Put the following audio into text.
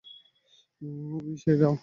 We say die!